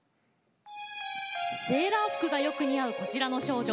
セーラー服がよく似合うこちらの少女。